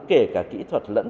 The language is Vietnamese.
kể cả kỹ thuật lẫn